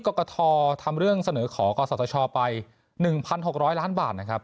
ที่กรกฐทำเรื่องเสนอขอกรสัตว์ธชาติไป๑๖๐๐ล้านบาทนะครับ